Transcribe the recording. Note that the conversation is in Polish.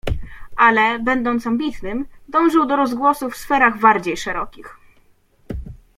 "Ale, będąc ambitnym, dążył do rozgłosu w sferach bardziej szerokich."